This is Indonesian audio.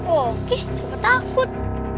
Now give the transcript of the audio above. oke siapa takut